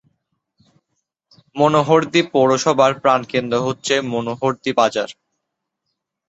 মনোহরদী পৌরসভার প্রাণকেন্দ্র হচ্ছে মনোহরদী বাজার।